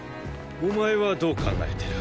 お前はどう考えてる？